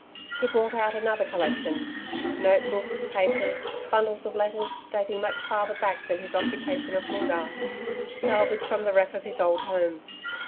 He brought out another collection notebooks, papers, bundles of letters dating much further back than his occupation of Moongarr salvage from the wreck of his old home.